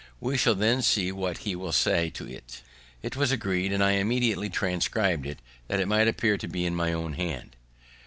We shall then see what he will say to it." It was agreed, and I immediately transcrib'd it, that it might appear in my own hand.